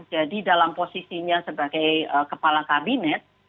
jadi dalam posisinya sebagai kepala kabinet